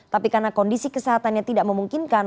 tapi karena kondisi kesehatannya tidak memungkinkan